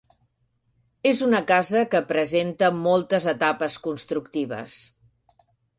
És una casa que presenta moltes etapes constructives.